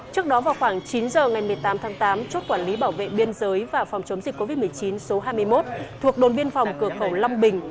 trước đó vào khoảng chín giờ ngày một mươi tám tháng tám chốt quản lý bảo vệ biên giới và phòng chống dịch covid một mươi chín số hai mươi một thuộc đồn biên phòng cửa khẩu long bình